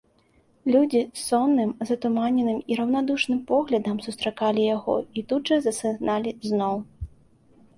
Людзі сонным, затуманеным і раўнадушным поглядам сустракалі яго і тут жа засыналі зноў.